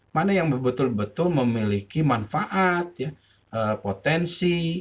mana yang betul betul memiliki manfaat potensi